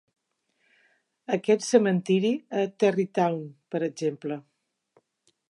Aquest cementiri a Tarrytown, per exemple.